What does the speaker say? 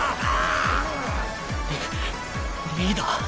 リリーダー。